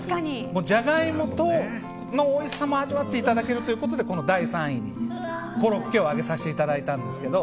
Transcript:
ジャガイモのおいしさも味わっていただけるということで第３位にコロッケを挙げさせていただいたんですけど。